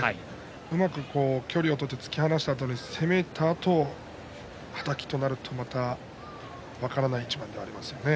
うまく距離を取って突き放したあとに、攻めたあとはたきとなるとまた分からない一番にはなりますね。